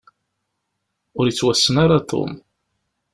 Ur yettwassen ara Tom.